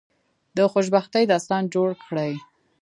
د خوشبختی داستان جوړ کړی.